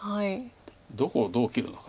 どこをどう切るのか。